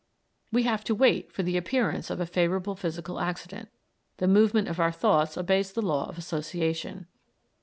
We have to wait for the appearance of a favorable physical accident. The movement of our thoughts obeys the law of association.